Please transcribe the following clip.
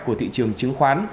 của thị trường chứng khoán